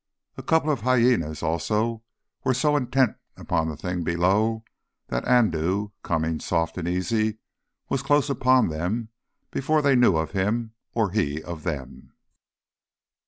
A couple of hyænas also were so intent upon the thing below that Andoo, coming soft and easy, was close upon them before they knew of him or he of them.